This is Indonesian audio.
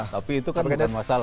tapi itu kan bukan masalah